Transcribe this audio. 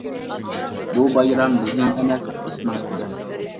بۇ بايرام بىزنىڭ ئەمەس، بىزنىڭ ئەمەس!